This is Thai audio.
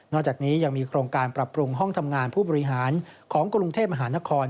จากนี้ยังมีโครงการปรับปรุงห้องทำงานผู้บริหารของกรุงเทพมหานคร